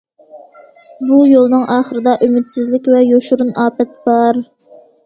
بۇ يولنىڭ ئاخىرىدا ئۈمىدسىزلىك ۋە يوشۇرۇن ئاپەت بار.